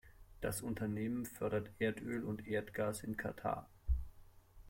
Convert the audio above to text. Das Unternehmen fördert Erdöl und Erdgas in Katar.